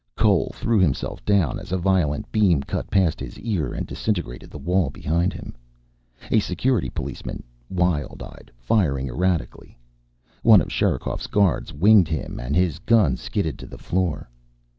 Cole threw himself down as a violet beam cut past his ear and disintegrated the wall behind him. A Security policeman, wild eyed, firing erratically. One of Sherikov's guards winged him and his gun skidded to the floor.